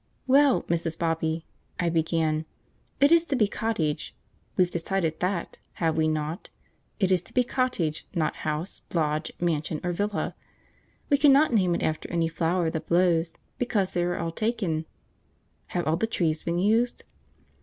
"Well, Mrs. Bobby," I began, "it is to be Cottage; we've decided that, have we not? It is to be Cottage, not House, Lodge, Mansion, or Villa. We cannot name it after any flower that blows, because they are all taken. Have all the trees been used?"